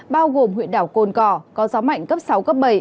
bao gồm huyện đảo cồn cỏ có gió mạnh cấp sáu cấp bảy